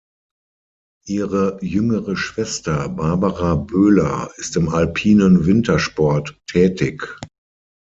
Ihre jüngere Schwester Barbara Böhler ist im alpinen Wintersport tätig.